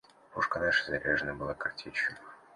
Пушка наша заряжена была картечью.